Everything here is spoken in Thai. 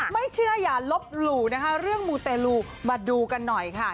ไม่เชื่ออย่าลบหลู่นะคะเรื่องมูเตลูมาดูกันหน่อยค่ะ